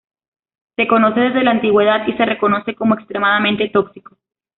Se conoce desde la antigüedad y se reconoce como extremadamente tóxico.